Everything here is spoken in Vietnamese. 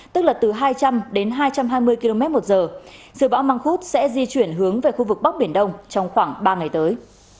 tức là từ hai trăm linh đến hai trăm hai mươi km một giờ sự bão mang khút sẽ di chuyển hướng về khu vực bắc biển đông trong khoảng ba ngày tới